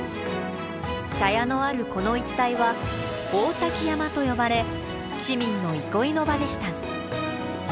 茶屋のあるこの一帯は大滝山と呼ばれ市民の憩いの場でした。